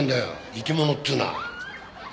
生き物っていうのは。